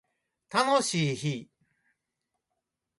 楽しい日